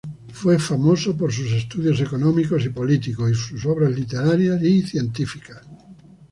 Fue famoso por sus estudios económicos y políticos y sus obras literarias y científicas.